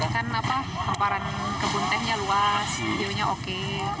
kan kemparan kebun tanknya luas biurnya oke